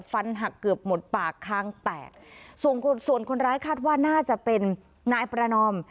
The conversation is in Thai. ฟันหักเกือบหมดปากคางแตกส่วนคนส่วนคนร้ายคาดว่าน่าจะเป็นนายประนอม